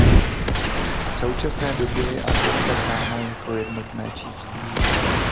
V současné době je agenda brána jako jednotné číslo.